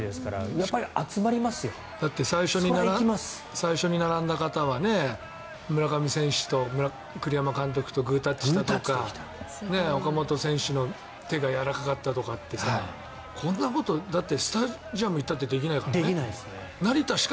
最初に並んだ方は村上選手と栗山監督とグータッチしたとか岡本選手の手がやわらかかったとかってさこんなこと、だってスタジアム行ったってできないからね。